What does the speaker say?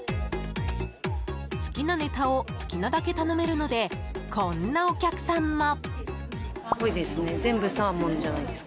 好きなネタを好きなだけ頼めるのでこんなお客さんも。